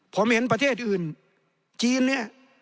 ผมเห็นประเทศอื่นจีนเนี่ย